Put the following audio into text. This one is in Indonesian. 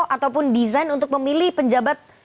ataupun desain untuk memilih penjabat